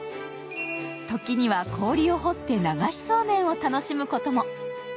時には氷を掘って、流しそうめんを楽しむことも。